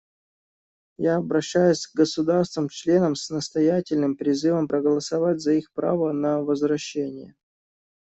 Я обращаюсь к государствам-членам с настоятельным призывом проголосовать за их право на возвращение.